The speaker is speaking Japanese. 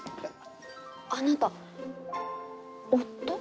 あなた夫？